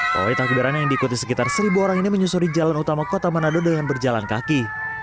pawai takbiran yang diikuti sekitar seribu orang ini menyusuri jalan utama kota manado dengan berjalan kaki